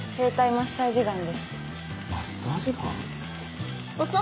マッサージガン？